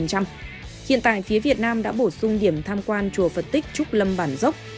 hiện tại phía việt nam đã bổ sung điểm tham quan chùa phật tích trúc lâm bản dốc